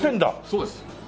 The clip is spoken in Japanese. そうです。